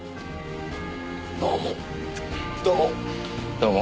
どうも。